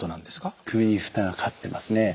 首に負担がかかってますね。